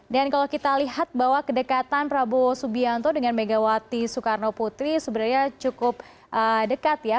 dan kalau kita lihat bahwa kedekatan prabowo subianto dengan megawati soekarno putri sebenarnya cukup dekat ya